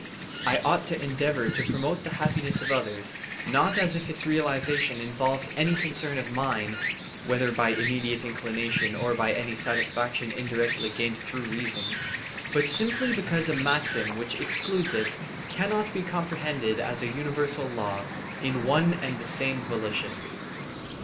I ought to endeavour to promote the happiness of others, not as if its realization involved any concern of mine (whether by immediate inclination or by any satisfaction indirectly gained through reason), but simply because a maxim which excludes it cannot be comprehended as a universal law in one and the same volition.